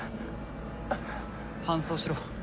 搬送しろ。